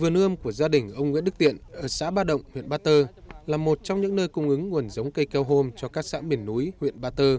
vườn ươm của gia đình ông nguyễn đức tiện ở xã ba động huyện ba tơ là một trong những nơi cung ứng nguồn giống cây keo hôm cho các xã miền núi huyện ba tơ